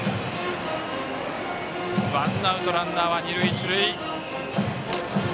ワンアウトランナー、二塁一塁。